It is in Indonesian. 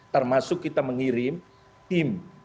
termasuk kita mengirim tim